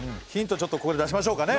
ちょっとここで出しましょうかね。